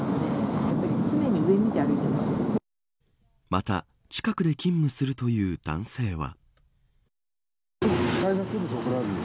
また近くで勤務するという男性は。